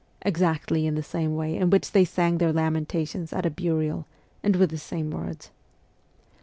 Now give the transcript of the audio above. ' exactly in the same way in which they sang their lamentations at a burial, and with the same words.